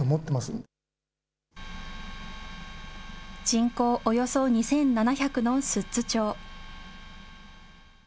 人口およそ２７００の寿都町。